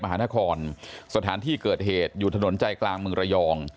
หานครสถานที่เกิดเหตุอยู่ถนนใจกลางเมืองระยอง